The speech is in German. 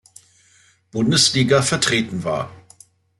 Bundesliga vertreten war.